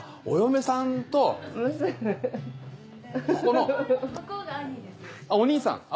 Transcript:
お兄さん！